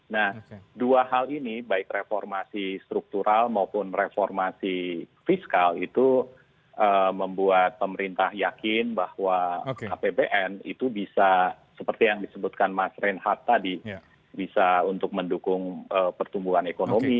nah dua hal ini baik reformasi struktural maupun reformasi fiskal itu membuat pemerintah yakin bahwa apbn itu bisa seperti yang disebutkan mas reinhardt tadi bisa untuk mendukung pertumbuhan ekonomi